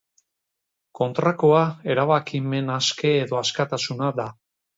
Kontrakoa erabakimen aske edo askatasuna da.